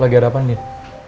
lagi ada apa nien